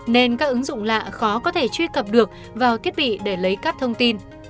nên các ứng dụng lạ khó có thể truy cập được vào thiết bị để lấy các thông tin